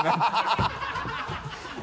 ハハハ